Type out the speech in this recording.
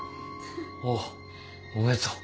おうおめでとう。